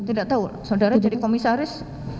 tidak tahu saudara jadi komisaris